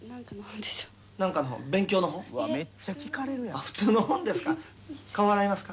「いえ」「普通の本ですか」